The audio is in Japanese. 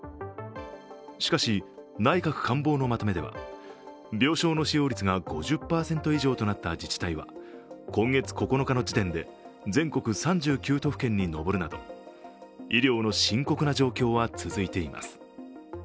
しかし、内閣官房のまとめでは、病床の使用率が５０％以上となった自治体は今月９日の時点で全国３９都府県に上るなど医療の深刻な状況は続いています。